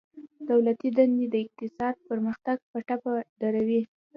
دولتي دندي د اقتصاد پرمختګ په ټپه دروي